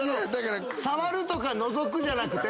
触るとかのぞくじゃなくて。